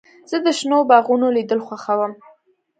زه د شنو باغونو لیدل خوښوم.